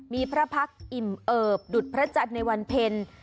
มีพระพักษ์อิ่มเอิบดุดพระจันทร์ในวันเพ็ญ